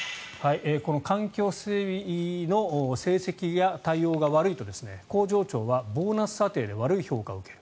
この環境整備の成績や対応が悪いと工場長はボーナス査定で悪い評価を受ける。